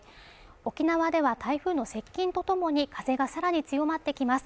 沖縄では台風の接近とともに風がさらに強まってきます